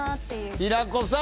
平子さん